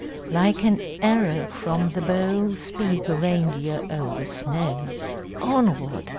Like an arrow from the bow Speed the reindeer o'er the snow. Onward!